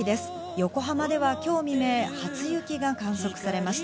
横浜では今日未明、初雪が観測されました。